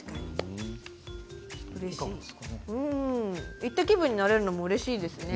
行った気分になれるのもうれしいですね。